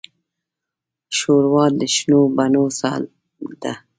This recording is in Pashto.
ښوروا د شنو بڼو ساه ده.